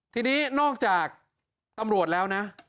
ทีนี้นอกจากตำรวจแล้วนะ